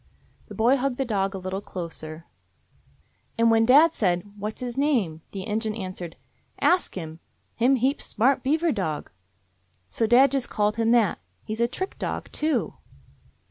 The boy hugged the dog a little closer. "And when dad said, 'What's his name?', the Injun answered, 'Ask him. Him heap smart beaver dog.' So dad just called him that. He 's a trick dog, too."